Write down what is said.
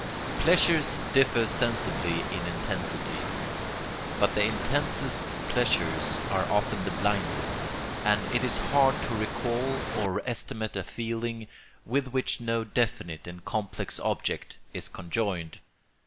] Pleasures differ sensibly in intensity; but the intensest pleasures are often the blindest, and it is hard to recall or estimate a feeling with which no definite and complex object is conjoined.